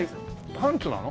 パンツなの？